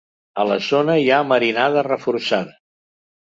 A la zona hi ha marinada reforçada.